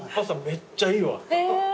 めっちゃいいわ。